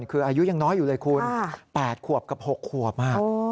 คืออายุยังน้อยอยู่เลยคุณ๘ขวบกับ๖ขวบ